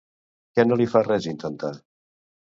Què no li fa res intentar?